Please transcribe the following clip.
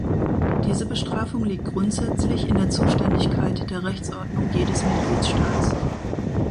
Diese Bestrafung liegt grundsätzlich in der Zuständigkeit der Rechtsordnung jedes Mitgliedstaats.